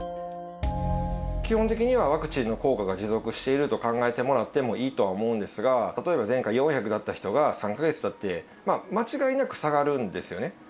基本的にはワクチンの効果が持続していると考えてもらってもいいと思うんですが、例えば前回４００だった人が、３か月たって、間違いなく下がるんですよね。